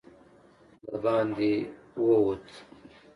د باندې ووت.